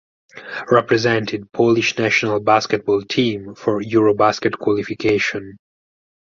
Represented Polish national basketball team for Eurobasket qualification.